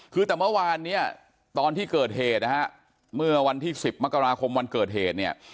คือแต่เมื่อวานเนี่ยตอนที่เกิดเหตุนะฮะเมื่อวันที่๑๐มกราคมวันเกิดเหตุเนี่ย